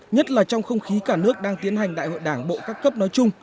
nhất là trong không khí cả nước đang tiến hành đại hội đảng bộ các cấp nói chung